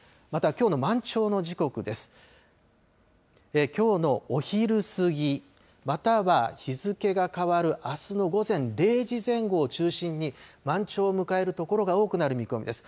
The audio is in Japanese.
きょうのお昼過ぎ、または日付が変わるあすの午前０時前後を中心に、満潮を迎える所が多くなる見込みです。